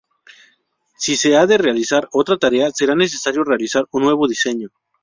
Si se ha de realizar otra tarea será necesario realizar un nuevo diseño.